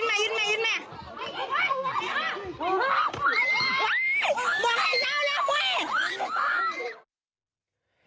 หมุย